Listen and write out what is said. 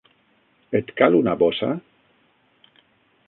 Et cal una bossa?